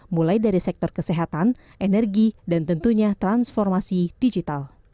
mulai dari sektor kesehatan energi dan tentunya transformasi digital